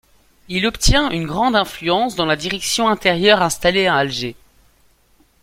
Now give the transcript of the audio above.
Il obtient une grande influence dans la direction intérieure installée à Alger.